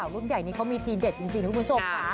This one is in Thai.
รุ่นใหญ่นี้เขามีทีเด็ดจริงคุณผู้ชมค่ะ